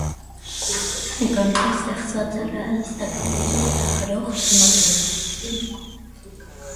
Նկարները ստեղծված են ռեալիստական ոճով հրահրող թեմայով։